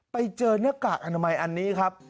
ไปเจอหน้ากากอนามัยอันนี้ครับ